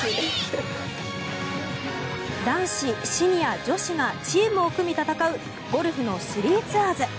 男子、シニア、女子がチームを組み戦うゴルフの３ツアーズ。